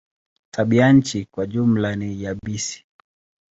Tabianchi kwa jumla ni yabisi.